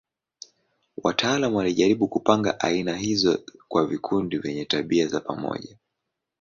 Wataalamu walijaribu kupanga aina hizo kwa vikundi vyenye tabia za pamoja.